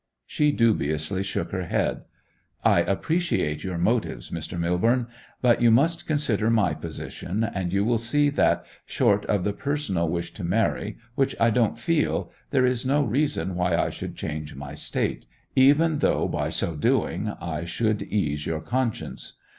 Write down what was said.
She dubiously shook her head. 'I appreciate your motives, Mr. Millborne; but you must consider my position; and you will see that, short of the personal wish to marry, which I don't feel, there is no reason why I should change my state, even though by so doing I should ease your conscience.